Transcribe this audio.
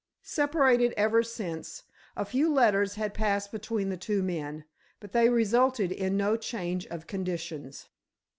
Separated ever since, a few letters had passed between the two men, but they resulted in no change of conditions.